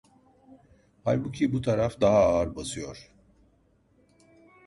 Halbuki bu taraf daha ağır basıyor…